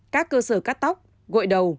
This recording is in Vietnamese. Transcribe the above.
các cơ sở cắt tóc gội đầu